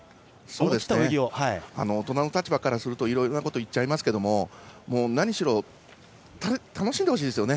大人の立場からするといろいろなこと言っちゃいましたけど、何しろ楽しんでほしいですよね。